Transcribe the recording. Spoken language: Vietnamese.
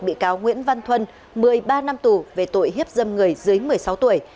bị cáo nguyễn văn thuân một mươi ba năm tù về tội hiếp dâm người dưới một mươi sáu tuổi